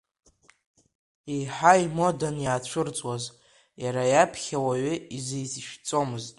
Еиҳа имодан иаацәырҵуаз, иара иаԥхьа уаҩы изишәҵомызт.